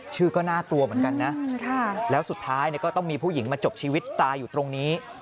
ชื่อก็น่ากลัวเหมือนกันนะแล้วสุดท้ายก็ต้องมีผู้หญิงมาจบชีวิตตายอยู่ตรงนี้